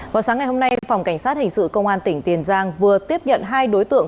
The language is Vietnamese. vào sáng ngày hôm nay phòng cảnh sát hình sự công an tỉnh tiền giang vừa tiếp nhận hai đối tượng